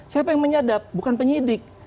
siapa yang menyadap bukan penyidik